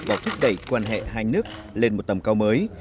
và thúc đẩy quan hệ hai nước lên một tầm cao mới